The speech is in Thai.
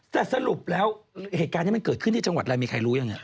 แต่สรุปแล้วเหตุการณ์นี้มันเกิดขึ้นที่จังหวัดอะไรมีใครรู้ยัง